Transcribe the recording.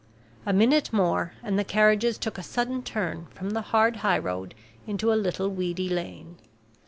A minute more, and the carriages took a sudden turn from the hard high road into a little weedy lane.